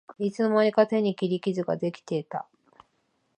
いつの間にか手に切り傷ができてた